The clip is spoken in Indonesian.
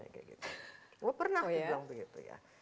gue pernah dibilang begitu ya